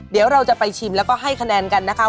เดี๋ยวเราจะไปชิมแล้วก็ให้คะแนนกันนะคะ